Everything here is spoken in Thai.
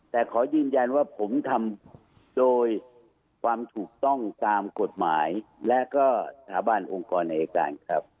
แต่ขอยืนยันว่าผมทำโดยความถูกต้องตามกฎหมายและก็สถาบันองค์กรอายการครับ